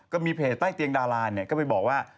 ก็มีเพจใต้เตียงดาราก็ไปบอกว่า